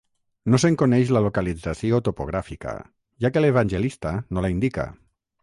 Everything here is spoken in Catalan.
No se'n coneix la localització topogràfica, ja que l'evangelista no la indica.